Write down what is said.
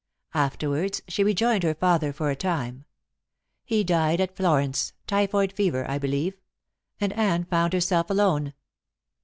Afterwards she rejoined her father for a time. He died at Florence typhoid fever, I believe and Anne found herself alone.